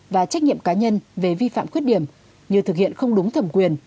và trách nhiệm cá nhân về vi phạm khuyết điểm như thực hiện không đúng thẩm quyền